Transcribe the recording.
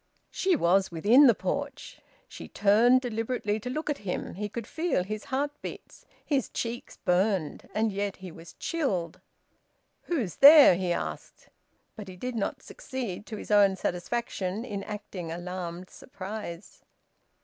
She was within the porch. She turned deliberately to look at him. He could feel his heart beats. His cheeks burned, and yet he was chilled. "Who's there?" he asked. But he did not succeed to his own satisfaction in acting alarmed surprise.